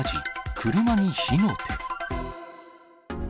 車に火の手。